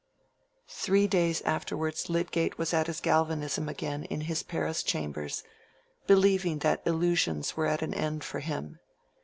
Three days afterwards Lydgate was at his galvanism again in his Paris chambers, believing that illusions were at an end for him.